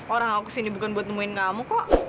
orang aku kesini bukan buat nemuin kamu kok